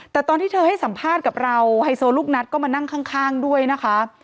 แต่ตอนที่เธอให้สัมภาษณ์กับเราไฮโซลูกนัดก็มานั่งข้างด้วยนะคะ